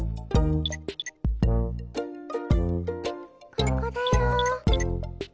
ここだよ。